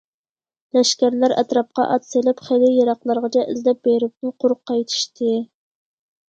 لەشكەرلەر ئەتراپقا ئات سېلىپ، خېلى يىراقلارغىچە ئىزدەپ بېرىپمۇ قۇرۇق قايتىشتى.